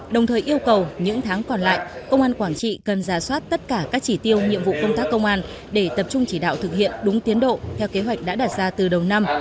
đồng thời yêu cầu những tháng còn lại công an quảng trị cần ra soát tất cả các chỉ tiêu nhiệm vụ công tác công an để tập trung chỉ đạo thực hiện đúng tiến độ theo kế hoạch đã đạt ra từ đầu năm